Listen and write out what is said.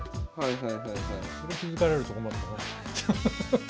それ気付かれると困ったな。